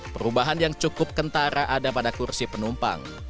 perubahan yang cukup kentara ada pada kursi penumpang